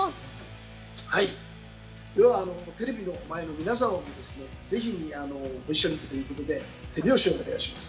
では、テレビの前の皆さんもぜひご一緒にということで手拍子をお願いします。